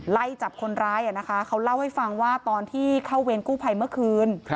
ไล่จับคนร้ายเขาเล่าให้ฟังว่าตอนที่เข้าเวรกู้ภัยเมื่อคืน